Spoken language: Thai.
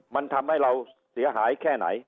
มันทำให้เราเสียหายแค่ไหน